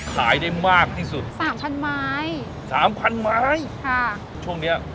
ขายได้มากที่สุดสามพันไม้สามพันไม้ค่ะช่วงเนี้ย